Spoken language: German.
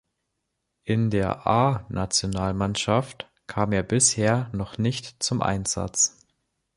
In der A-Nationalmannschaft kam er bisher noch nicht zum Einsatz.